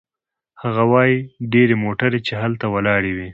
هغه وايي: "ډېرې موټرې چې هلته ولاړې وې